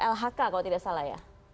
lhk kalau tidak salah ya